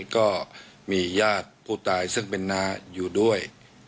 ก็มีญาติผู้ตายซึ่งเป็นน้าอยู่ด้วย